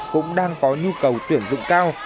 cũng đang có nhu cầu tuyển dụng cao